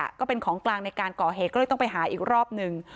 ก็เป็นของกลางในการก่อเหตุก็เลยต้องไปหาอีกรอบหนึ่ง